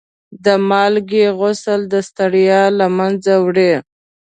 د مالګې غسل د ستړیا له منځه وړي.